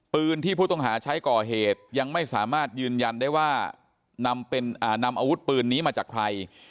ปืนที่ผู้ต้องหาใช้ก่อเหตุยังไม่สามารถยืนยันได้ว่านำอาวุธปืนนี้มาจากใคร